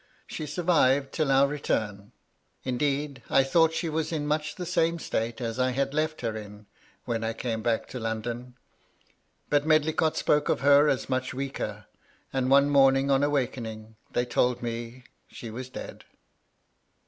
She survived till our retura Lideed, I thought she was in much the same state as I had left her in, when I came back to London. But Medlicott spoke of her as much weaker ; and one morning on 'awakening, they told me she was dead.